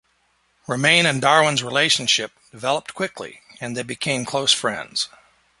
Romanes's and Darwin's relationship developed quickly and they became close friends.